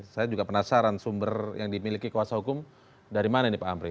saya juga penasaran sumber yang dimiliki kuasa hukum dari mana ini pak amri